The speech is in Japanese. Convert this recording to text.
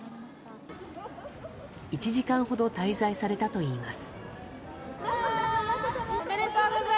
１時間ほど滞在されたといいます。